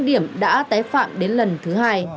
những điểm đã tái phạm đến lần thứ hai